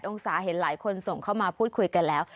องศาเห็นหลายคนส่งเข้ามาพูดคุยกันแล้ว